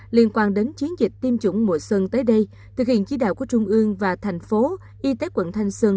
liên quan đến chiến dịch tiêm chủng mũi sơn tới đây thực hiện chí đạo của trung ương và thành phố